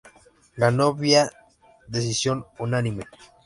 Ganó vía decisión unánime.